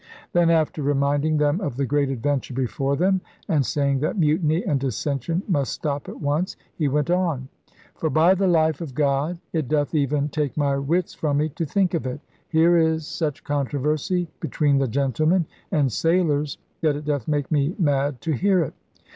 Then, after reminding them of the great adventure before them and saying that mutiny and dissension must stop at once, he went on: *For by the life of God it doth even take my wits from me to think of it. Here is such controversy between the gentlemen and sailors that it doth make me mad to hear it.